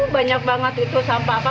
banyak banget itu sampah apa